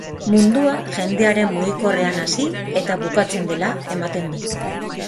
Mundua jendearen mugikorrean hasi eta bukatzen dela ematen du.